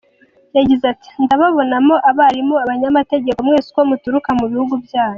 Yagize ati "Ndababonamo abarimu, abanyamategeko, mwese uko muturuka mu bihugu byanyu.